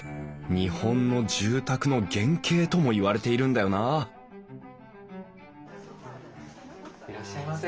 日本の住宅の原型とも言われているんだよないらっしゃいませ。